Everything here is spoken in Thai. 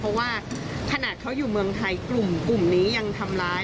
เพราะว่าขนาดเขาอยู่เมืองไทยกลุ่มนี้ยังทำร้าย